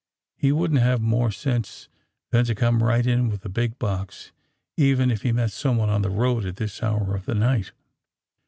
He wouldn't have more sense than to come right in with a big box even if he met someone on the road at this hour of the night.''